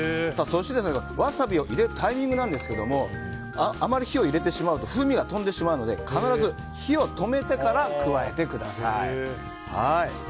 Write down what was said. そして、ワサビを入れるタイミングなんですけどもあまり火を入れてしまうと風味が飛んでしまうので必ず火を止めてから加えてください。